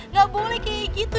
gak boleh kayak gitu